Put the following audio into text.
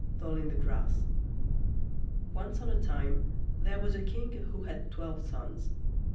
DOLL I' THE GRASS Once on a time there was a King who had twelve sons.